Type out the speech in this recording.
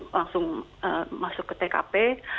langsung masuk ke tkp